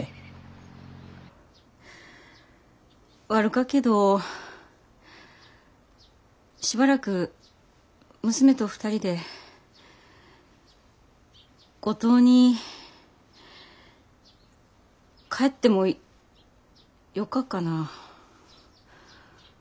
悪かけどしばらく娘と２人で五島に帰ってもよかかな？